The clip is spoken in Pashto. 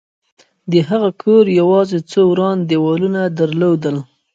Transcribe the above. د هغه کور یوازې څو وران دېوالونه درلودل